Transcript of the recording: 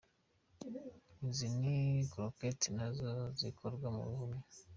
Izi ni Croquettes nazo zikorwa mu bihumyo.